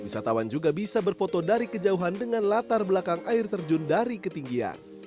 wisatawan juga bisa berfoto dari kejauhan dengan latar belakang air terjun dari ketinggian